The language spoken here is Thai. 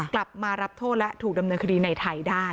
กลับมารับโทษและถูกดำเนินคดีในไทยได้